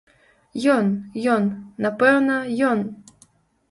Ён, ён, напэўна, ён!